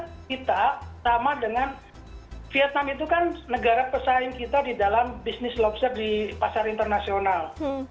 karena kita sama dengan vietnam itu kan negara pesaing kita di dalam bisnis lobster di pasar internasional